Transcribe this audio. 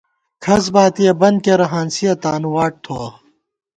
کھس باتِیہ بن کېرہ، ہانسِیہ تانُو واٹ ٹھوَہ